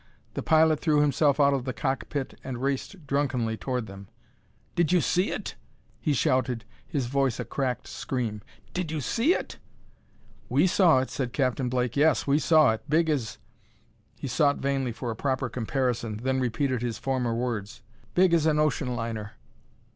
The pilot threw himself out of the cockpit and raced drunkenly toward them. "Did you see it?" he shouted, his voice a cracked scream. "Did you see it?" "We saw it," said Captain Blake; "yes, we saw it. Big as " He sought vainly for a proper comparison, then repeated his former words: "Big as an ocean liner!"